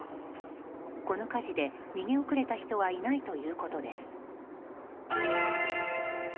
この火事で逃げ遅れた人はいないということです。